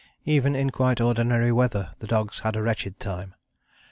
Even in quite ordinary weather the dogs had a wretched time.